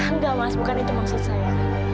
enggak mas bukan itu maksud saya